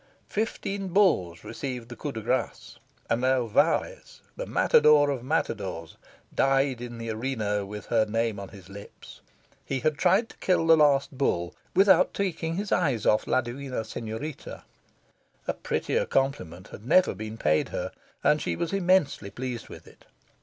Fifteen bulls received the coup de grace, and Alvarez, the matador of matadors, died in the arena with her name on his lips. He had tried to kill the last bull without taking his eyes off la divina senorita. A prettier compliment had never been paid her, and she was immensely pleased with it.